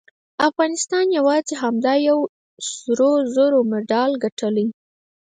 افغانستان یواځې همدا یو د سرو زرو مډال ګټلی